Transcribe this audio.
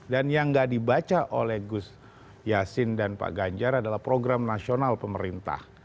dan yang nggak dibaca oleh gus yassin dan pak ganjar adalah program nasional pemerintah